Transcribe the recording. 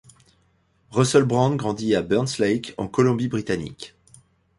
Russell Brown grandit à Burns Lake, en Colombie-Britannique.